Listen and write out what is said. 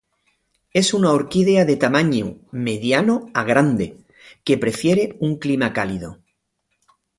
Es una orquídea de tamaño mediano a grande, que prefiere un clima cálido.